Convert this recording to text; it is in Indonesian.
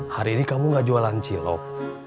hari ini kamu gak jualan cilok